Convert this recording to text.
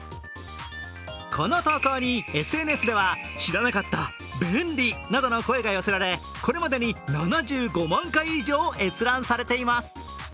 この投稿にＳＮＳでは知らなかった、便利などの声が寄せられこれまでに７５万回以上、閲覧されています。